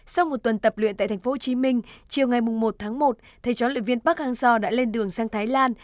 sau một tuần tập luyện tại thành phố hồ chí minh chiều ngày một tháng một thầy chó luyện viên park hang seo đã lên đường sang thái lan